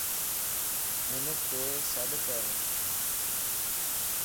ھنک سڏڪر